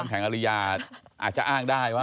แข็งอริยาอาจจะอ้างได้ว่า